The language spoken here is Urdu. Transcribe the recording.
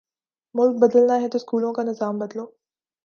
ملک بدلنا ہے تو سکولوں کا نظام بدلو۔